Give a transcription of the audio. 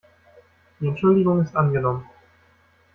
Die Entschuldigung ist angenommen.